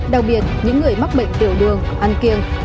đặc biệt những người mắc bệnh tiểu đường ăn kiêng